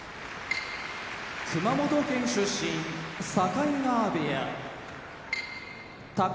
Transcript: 熊本県出身境川部屋宝